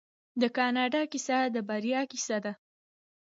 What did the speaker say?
د کاناډا کیسه د بریا کیسه ده.